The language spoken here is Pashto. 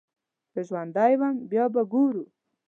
که ژوندی وم بيا به ګورو.